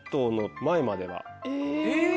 えっ！